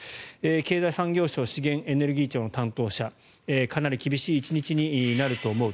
経済産業省資源エネルギー庁の担当者かなり厳しい１日になると思う。